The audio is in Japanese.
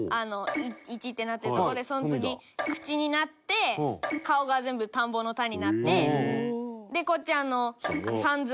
「一」ってなってるとこでその次「口」になって顔が全部田んぼの「田」になってでこっちさんずいが。